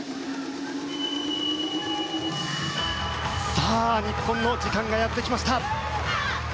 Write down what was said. さあ、日本の時間がやってきました。